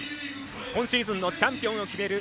今シーズンのチャンピオンを決める